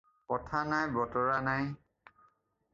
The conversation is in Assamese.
কথা নাই বতৰা নাই।